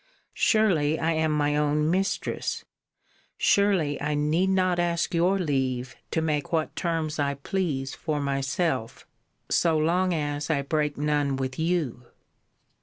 Surely I am my own mistress: surely I need not ask your leave to make what terms I please for myself, so long as I break none with you?